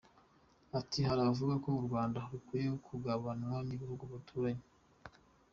Ati “Hari abavugaga ko u Rwanda rukwiye kugabanwa n’ibihugu duturanye.